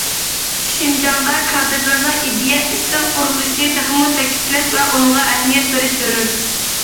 شىنجاڭدا كادىرلارنىڭ ئىدىيە، ئىستىل قۇرۇلۇشىنى تېخىمۇ تەكىتلەش ۋە ئۇنىڭغا ئەھمىيەت بېرىش زۆرۈر.